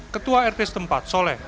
ketua rt setempat soleh